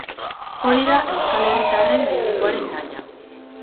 Hori da euskal herritarren gehiengoaren nahia.